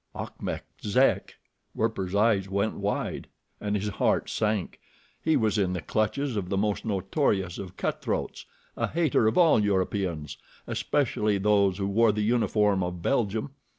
Achmet Zek! Werper's eyes went wide, and his heart sank. He was in the clutches of the most notorious of cut throats—a hater of all Europeans, especially those who wore the uniform of Belgium.